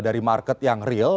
dari market yang real